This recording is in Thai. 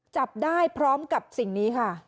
จับได้พร้อมกับสิ่งนี้ค่ะ